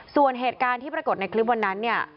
ส่วนเหตุการณ์ที่ปรากฏในคลิปวันนั้นเนี่ย